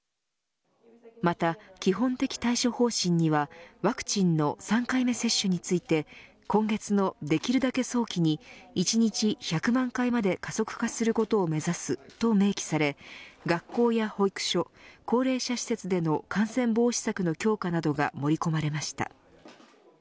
また、基本的対処方針にはワクチンの３回目接種について今月のできるだけ早期に１日１００万回まで加速化させることを目指すと明記され、学校や保育所高齢者施設での感染防止策の強化などが盛り込まれました。